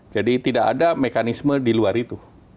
tidak ada mekanisme di luar itu